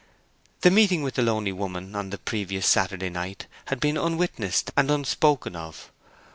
The meeting with the lonely woman on the previous Saturday night had been unwitnessed and unspoken of.